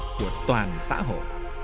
của toàn xã hội